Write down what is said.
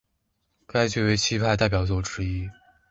该剧为戚派代表作之一。